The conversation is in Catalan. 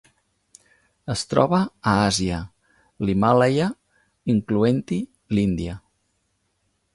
Es troba a Àsia: l'Himàlaia, incloent-hi l'Índia.